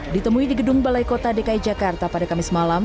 ditemui di gedung balai kota dki jakarta pada kamis malam